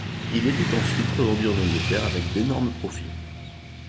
Il était ensuite revendu en Angleterre avec d'énormes profits.